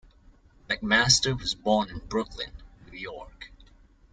McMaster was born in Brooklyn, New York.